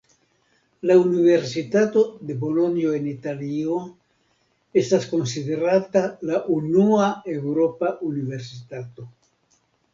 La Universitato de Bolonjo en Italio estas konsiderata la unua eŭropa universitato.